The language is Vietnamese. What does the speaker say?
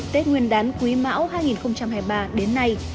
tết nguyên đán quý mão hai nghìn hai mươi ba đến nay